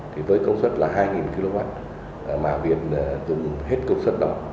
thì với công suất là hai kw mà việc dùng hết công suất đó